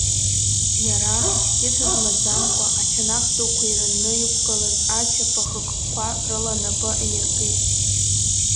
Иара, кьыс змаӡамкәа, ачанах дуқәа ирынны иқәгылаз ачаԥа хыкқәа рыла напы аиркит.